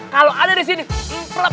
kalau ada di sini emplek